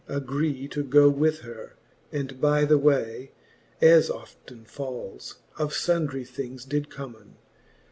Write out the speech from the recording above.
Agree to goe with her, and by the way. As often falles, of fundry things did commcn.